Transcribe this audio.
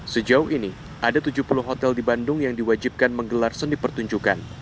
sejauh ini ada tujuh puluh hotel di bandung yang diwajibkan menggelar seni pertunjukan